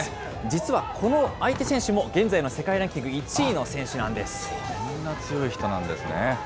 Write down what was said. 実はこの相手選手も現在の世界ラそんな強い人なんですね。